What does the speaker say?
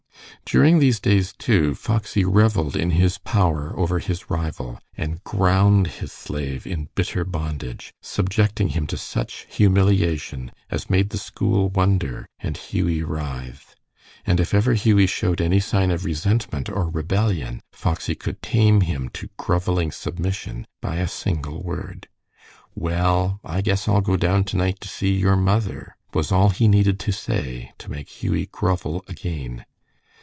During these days, too, Foxy reveled in his power over his rival, and ground his slave in bitter bondage, subjecting him to such humiliation as made the school wonder and Hughie writhe; and if ever Hughie showed any sign of resentment or rebellion, Foxy could tame him to groveling submission by a single word. "Well, I guess I'll go down to night to see your mother," was all he needed to say to make Hughie grovel again.